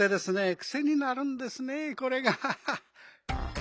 くせになるんですねこれが。